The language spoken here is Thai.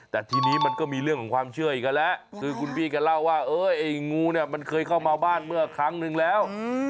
แต่ทีนี้มันก็มีเรื่องของความเชื่ออีกกันแล้ว